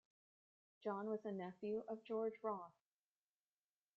John was a nephew of George Ross.